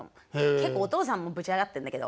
結構お父さんもぶち上がってんだけど。